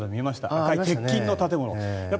赤い鉄筋の建物。